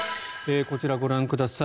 こちらをご覧ください。